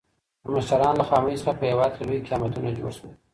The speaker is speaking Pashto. د مشرانو له خامیو څخه په هېواد کي لوی قیامتونه جوړ سول.